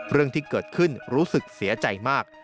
เรื่องที่เกิดขึ้นรู้สึกเสียใจมาก